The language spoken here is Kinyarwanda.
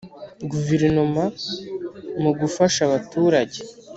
guverinoma mu gufasha abaturage